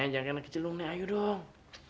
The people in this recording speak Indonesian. nek jangan kena kecil dong nek ayo dong